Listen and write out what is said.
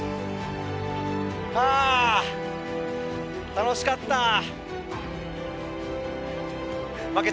あ楽しかった。